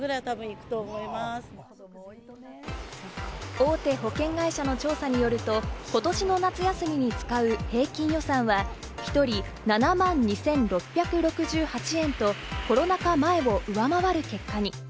大手保険会社の調査によると、ことしの夏休みに使う平均予算は１人７万２６６８円とコロナ禍前を上回る結果に。